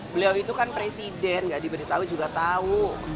beliau itu kan presiden gak diberitahu juga tahu